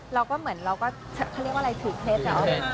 เราก็เหมือนเราก็เขาเรียกว่าอะไรถือเคล็ด